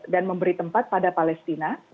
dan memberi tempat pada palestina